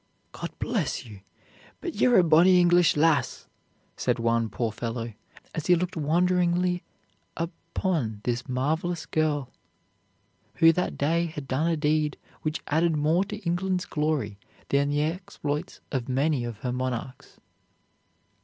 "God bless you; but ye're a bonny English lass," said one poor fellow, as he looked wonderingly upon this marvelous girl, who that day had done a deed which added more to England's glory than the exploits of many of her monarchs.